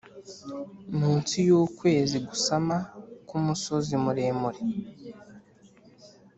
munsi yukwezi gusama, kumusozi muremure,